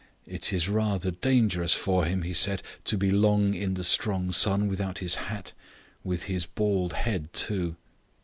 "It is rather dangerous for him," he said, "to be long in the strong sun without his hat. With his bald head, too."